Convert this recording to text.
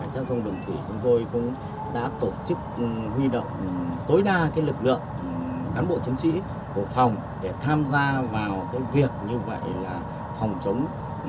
điện tài thủy đã tổ chức huy động tối đa lực lượng cán bộ chiến sĩ của phòng để tham gia vào việc như vậy là phòng chống